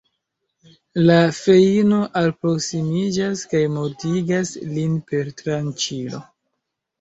La feino alproksimiĝas, kaj mortigas lin per tranĉilo.